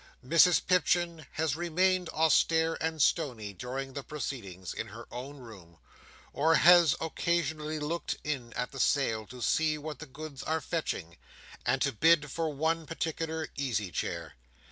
Mrs Pipchin has remained austere and stony during the proceedings, in her own room; or has occasionally looked in at the sale to see what the goods are fetching, and to bid for one particular easy chair.